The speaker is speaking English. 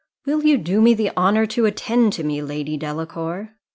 "Will you do me the honour to attend to me, Lady Delacour?"